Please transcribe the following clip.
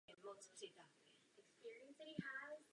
Narodil se mu třetí potomek.